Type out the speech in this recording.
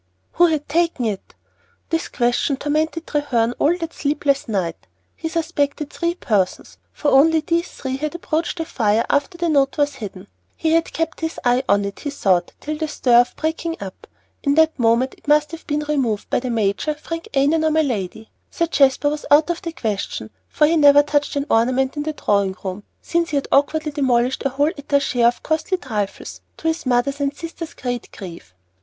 Who had taken it? This question tormented Treherne all that sleepless night. He suspected three persons, for only these had approached the fire after the note was hidden. He had kept his eye on it, he thought, till the stir of breaking up. In that moment it must have been removed by the major, Frank Annon, or my lady; Sir Jasper was out of the question, for he never touched an ornament in the drawing room since he had awkwardly demolished a whole étagère of costly trifles, to his mother's and sister's great grief.